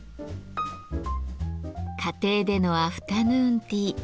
家庭でのアフタヌーンティー。